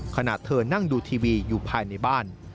ขณะเธอนั่งดูทีวีอยู่ภายในบ้าน